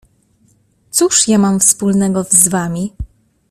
— Cóż ja mam wspólnego z wami?